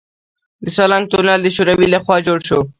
د سالنګ تونل د شوروي لخوا جوړ شو